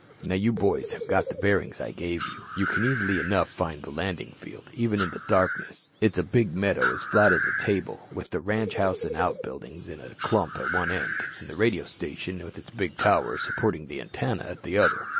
"Now you boys have got the bearings I gave you. You can easy enough find the landing field, even in the darkness. It's a big meadow as flat as a table, with the ranch house and outbuildings in a clump at one end, an' the radio station with its big tower supporting the antenna at t'other.